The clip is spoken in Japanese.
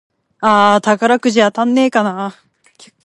あーあ、宝くじ当たんねぇかな